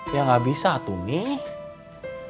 ya gak bisa tuh mih